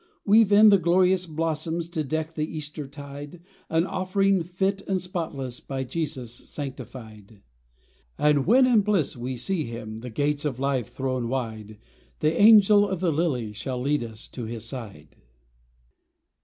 Weave in the glorious blossoms To deek the Easter tide, An offering fit and spotless, By Jesus sanctified ! 32 EASTER CAROLS And when in bliss we see Him, The gates of life thrown wide, The Angel of the Lily Shall lead us to His side.